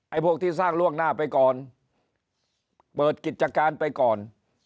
พวกที่สร้างล่วงหน้าไปก่อนเปิดกิจการไปก่อน